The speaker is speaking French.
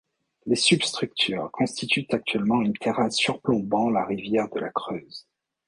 Les substuctures constituent actuellement une terrasse surplombant la rivière de la Creuse.